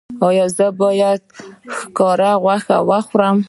ایا زه باید د ښکار غوښه وخورم؟